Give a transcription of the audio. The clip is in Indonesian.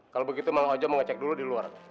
kalau begitu mau aja mau ngecek dulu di luar